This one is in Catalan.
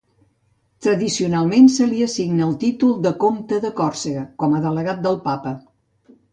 Tradicionalment se li assigna el títol de comte de Còrsega, com a delegat del Papa.